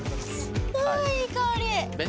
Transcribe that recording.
あいい香り。